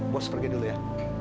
bos pergi dulu ya